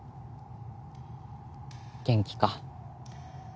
元気か？